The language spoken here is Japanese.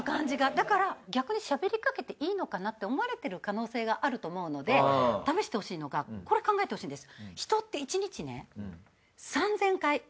だから逆にしゃべりかけていいのかなって思われてる可能性があると思うので試してほしいのがこれ考えてほしいんです。